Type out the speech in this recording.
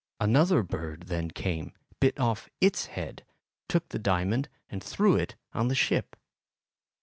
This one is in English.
Another bird then came, bit off its head, took the diamond and threw it on the ship.